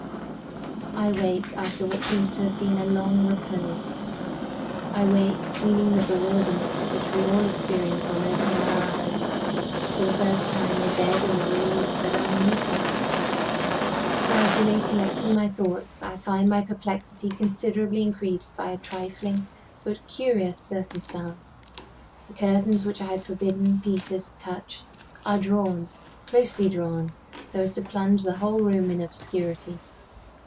I wake, after what seems to have been a long repose I wake, feeling the bewilderment which we all experience on opening our eyes for the first time in a bed and a room that are new to us. Gradually collecting my thoughts, I find my perplexity considerably increased by a trifling but curious circumstance. The curtains which I had forbidden Peter to touch are drawn closely drawn, so as to plunge the whole room in obscurity.